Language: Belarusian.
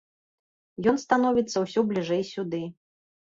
Ён становіцца ўсё бліжэй сюды.